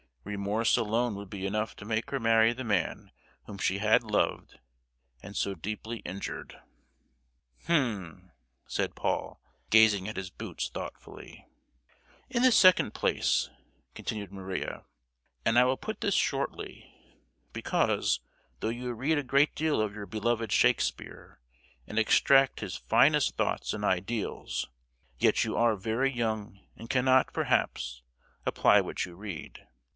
Remorse alone would be enough to make her marry the man whom she had loved and so deeply injured!" "Hem!" said Paul, gazing at his boots thoughtfully. "In the second place," continued Maria, "and I will put this shortly, because, though you read a great deal of your beloved Shakespeare, and extract his finest thoughts and ideals, yet you are very young, and cannot, perhaps, apply what you read.